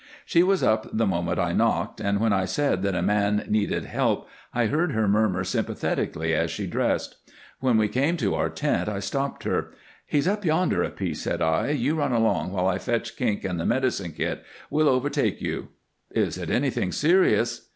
She was up the moment I knocked, and when I said that a man needed help I heard her murmur sympathetically as she dressed. When we came to our tent I stopped her. "He's up yonder a piece," said I. "You run along while I fetch Kink and the medicine kit. We'll overtake you." "Is it anything serious?"